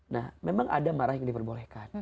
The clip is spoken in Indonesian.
nah memang ada marah yang diperbolehkan